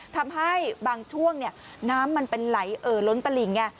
ทำให้บางช่วงน้ำมันเป็นไหลเอ่อล้นตลิงไง